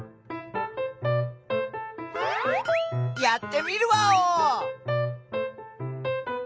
やってみるワオ！